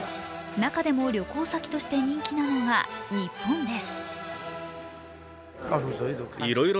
中でも旅行先として人気なのが日本です。